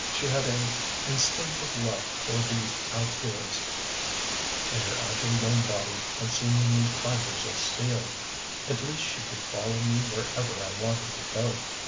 She had an instinctive love for the outdoors, and her agile young body had seemingly fibers of steel. At least she could follow me wherever I wanted to go.